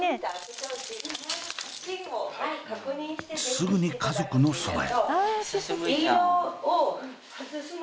すぐに家族のそばへ。